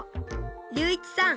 隆一さん